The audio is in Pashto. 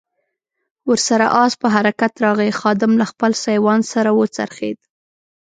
ور سره آس په حرکت راغی، خادم له خپل سایوان سره و څرخېد.